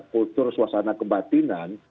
kultur suasana kebatinan